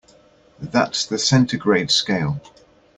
That's the centigrade scale.